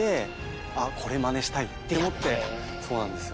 そうなんですよ。